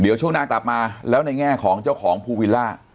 เดี๋ยวช่วงหน้ากลับมาแล้วในแง่ของเจ้าของภูวิลล่า